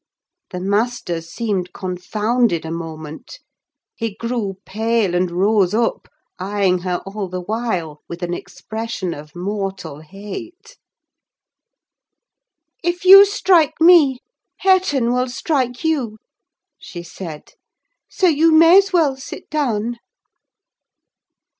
The master seemed confounded a moment: he grew pale, and rose up, eyeing her all the while, with an expression of mortal hate. "If you strike me, Hareton will strike you," she said; "so you may as well sit down."